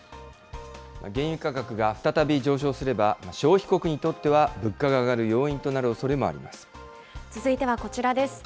原油価格が再び上昇すれば消費国にとっては物価が上がる要因続いてはこちらです。